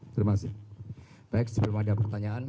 terima kasih baik sebelum ada pertanyaan